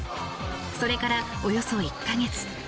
それから、およそ１か月。